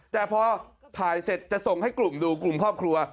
แต่พอถ่ายเสร็จจะส่งให้กลุ่มดูกลุ่มครอบครัว